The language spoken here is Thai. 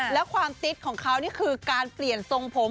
แล้วความติ๊ดของเขานี่คือการเปลี่ยนทรงผม